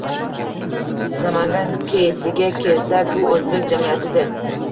Namangan keysiga kelsak, bu oʻzbek jamiyatidir